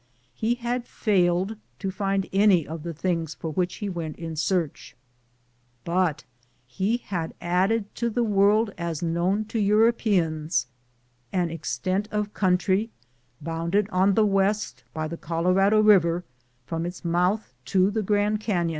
He had failed to find any of the things for which he went in search. But he had added to the world as known to Europeans an extent of country bounded on the west by the Colorado Eiver from its mouth to the Grand Canon